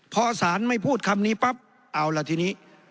พอสารไม่พูดคำนี้ปั๊บเอาล่ะทีนี้